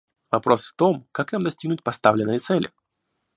Вопрос в том, как нам достигнуть поставленной цели?